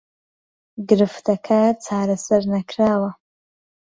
گرفتەکە چارەسەر نەکراوە